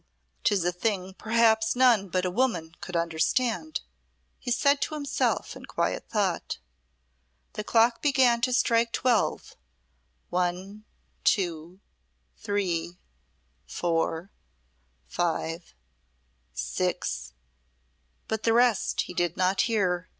"'Tis a thing perhaps none but a woman could understand," he said to himself in quiet thought. The clock began to strike twelve. One two three four five six But the rest he did not hear.